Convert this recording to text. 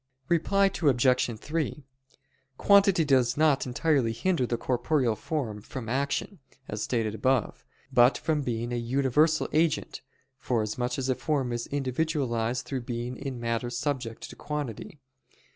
Reply Obj. 3: Quantity does not entirely hinder the corporeal form from action, as stated above; but from being a universal agent, forasmuch as a form is individualized through being in matter subject to quantity.